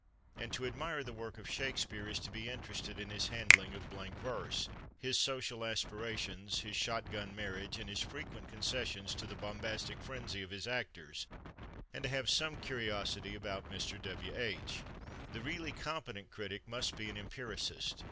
And to admire the work of Shakespeare is to be interested in his handling of blank verse, his social aspirations, his shot gun marriage and his frequent concessions to the bombastic frenzy of his actors, and to have some curiosity about Mr. W. H. The really competent critic must be an empiricist.